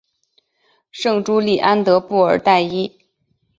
圣朱利安德布尔代伊。